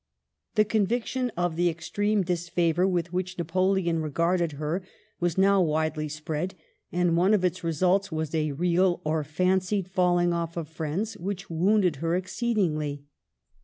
The conviction of the extreme disfavor with which Napoleon regarded her was now widely spread, and one of its results was a real or fancied falling off of friends, which wounded her exceed ingly.